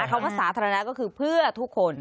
คำว่าสาธารณะก็คือเพื่อทุกคน